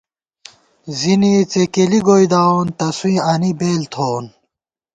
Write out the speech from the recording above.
زِنِئےڅېکېلی گوئیداوون تسوئیں آنی بېل تھووون